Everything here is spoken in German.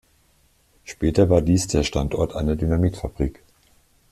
Später war dies der Standort einer Dynamitfabrik.